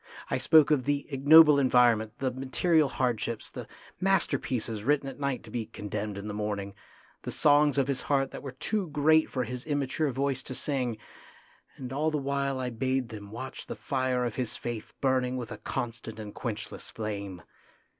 I spoke of the ignoble environment, the material hardships, the masterpieces written at night to be con demned in the morning, the songs of his heart that were too great for his immature voice to sing ; and all the while I bade them watch the fire of his faith burning with a constant and quenchless flame.